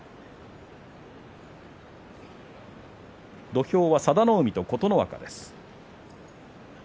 土俵は佐田の海と琴ノ若です。